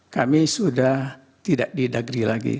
kami sudah tidak didagri lagi